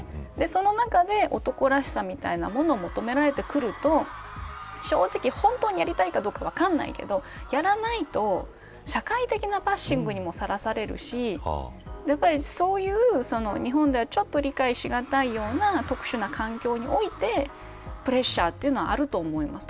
その中で男らしさみたいなものを求められてくると正直、本当にやりたいかどうか分からないけどやらないと社会的なバッシングにもさらされるしそういう、日本ではちょっと理解しがたいような特殊な環境においてプレッシャーはあると思います。